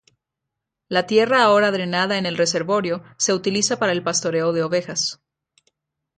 La tierra ahora drenada en el reservorio se utiliza para el pastoreo de ovejas.